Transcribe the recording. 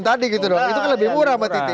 tadi gitu loh itu kan lebih murah mbak titi